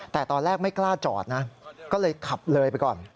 แต่ตอนแรกไม่กล้าจอดนะก็เลยขับเลยไปก่อน